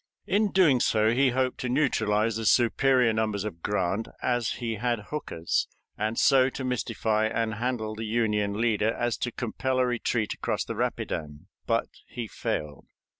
In doing so he hoped to neutralize the superior numbers of Grant as he had Hooker's, and so to mystify and handle the Union leader as to compel a retreat across the Rapidan. But he failed.